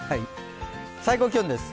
最高気温です。